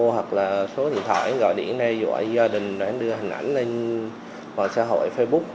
hoặc là số điện thoại gọi điện đe dọa gia đình để đưa hình ảnh lên vào xã hội facebook